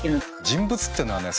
人物っていうのはね